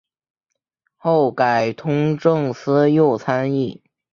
后改通政司右参议。